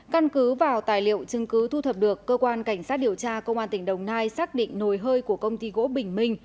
căn cứ vào tài liệu chứng cứ thu thập được cơ quan cảnh sát điều tra công an tỉnh đồng nai xác định nồi hơi của công ty gỗ bình minh